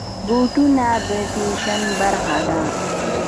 بوټونه د فیشن برخه ده.